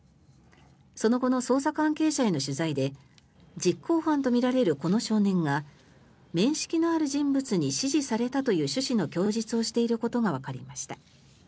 その後の捜査関係者への取材で実行犯とみられるこの少年が面識のある人物に指示されたという趣旨の供述をしていることがわかりました。